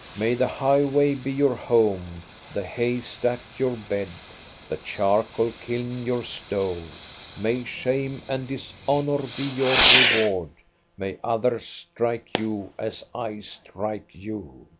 May the highway be your home, the hay stack your bed, the charcoal kiln your stove ! May shame and dishonor be your reward ; may others strike you, as I strike you